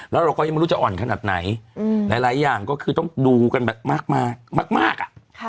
แล้วเราก็ยังไม่รู้จะอ่อนขนาดไหนหลายอย่างก็คือต้องดูกันแบบมากอ่ะ